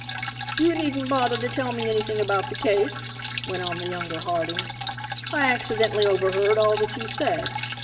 "You needn't bother to tell me anything about the case," went on the younger Harding. "I accidentally overheard all that you said.